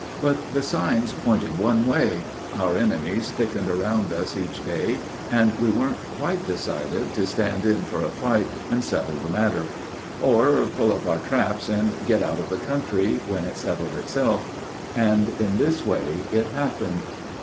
But the signs pointed one way. Our enemies thickened Around us each day, and we weren't quite decided To stand in for a fight and settle the matter, Or pull up our traps and get out of the country, When it settled itself. And in this way it happened.